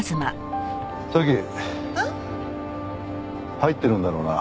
入ってるんだろうな。